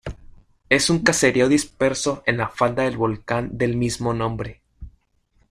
Es un caserío disperso en la falda del volcán del mismo nombre.